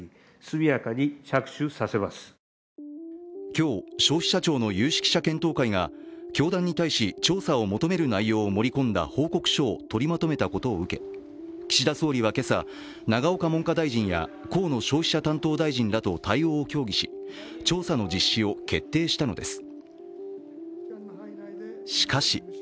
今日、消費者庁の有識者検討会が教団に対し、調査を求める内容を盛り込んだ報告書を取りまとめたことを受け岸田総理は今朝、永岡文科大臣や河野消費者担当大臣らと協議し調査の実施を決定したのです。